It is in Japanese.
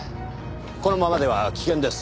このままでは危険です。